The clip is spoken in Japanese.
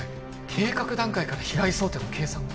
計画段階から被害想定の計算を？